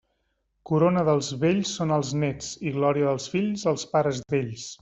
Corona dels vells són els néts i glòria dels fills els pares d'ells.